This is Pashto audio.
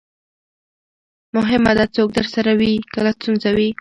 مهمه ده، څوک درسره وي کله ستونزه وي.